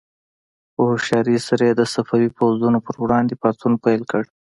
په هوښیارۍ سره یې د صفوي پوځونو پر وړاندې پاڅون پیل کړ.